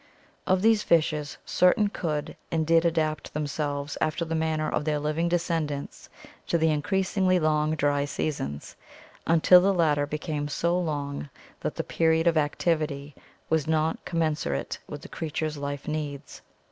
Of these fishes certain could and did adapt themselves after the manner of their living descendants to the increasingly long dry seasons, until the latter became so long that the period of activity was not commensurate with the creature's life needs.